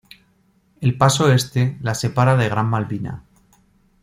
El paso Este la separa de Gran Malvina.